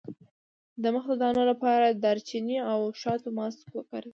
د مخ د دانو لپاره د دارچینی او شاتو ماسک وکاروئ